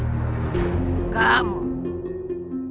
sekali lagi kamu macam macam